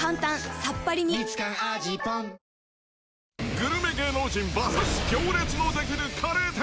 グルメ芸能人ＶＳ行列の出来るカレー店。